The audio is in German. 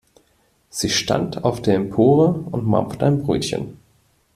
Sie stand auf der Empore und mampfte ein Brötchen.